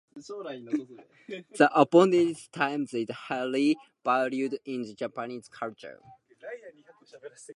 The appointed time is highly valued in Japanese culture.